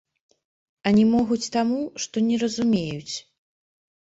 А не могуць таму, што не разумеюць.